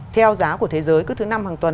theo giá của thế giới cứ thứ năm hàng tuần